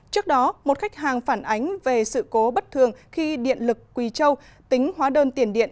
trước đó một khách hàng phản ánh về sự cố bất thường khi điện lực quỳ châu tính hóa đơn tiền điện